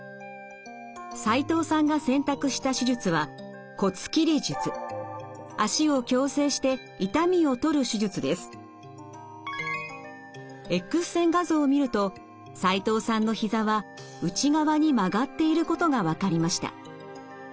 齋藤さんが選択した手術はＸ線画像を見ると齋藤さんのひざは内側に曲がっていることが分かりました。